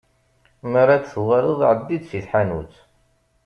Mi ara d-tuɣaleḍ, εeddi-d si tḥanut.